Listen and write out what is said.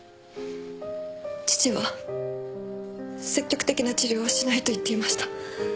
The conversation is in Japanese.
父は積極的な治療はしないと言っていました。